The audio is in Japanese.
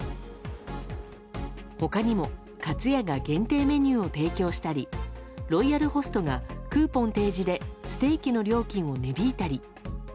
他にも、かつやが限定メニューを提供したりロイヤルホストがクーポン提示でステーキの料金を値引いたり。